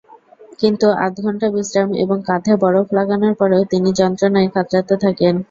কিন্তু আধঘণ্টা বিশ্রাম এবং কাঁধে বরফ লাগানোর পরেও তিনি যন্ত্রণায় কাতরাতে থাকেন।